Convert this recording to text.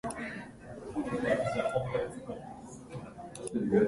忘年会でも忘れちゃいけないものがある